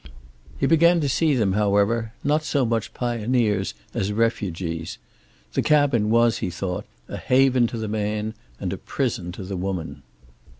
He began to see them, however, not so much pioneers as refugees. The cabin was, he thought, a haven to the man and a prison to the woman.